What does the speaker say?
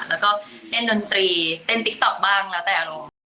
แล้วก็เล่นดนตรีเต้นติ๊กต๊อกบ้างแล้วแต่อารมณ์